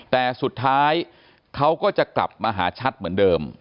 แต่สุดท้ายเขาก็จะกลับมาหาชัดเหมือนเดิม